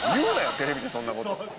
テレビでそんなこと。